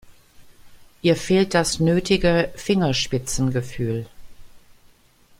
Ihr fehlt das nötige Fingerspitzengefühl.